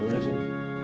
itu udah sih